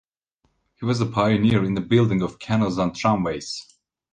He was a pioneer in the building of canals and tramways.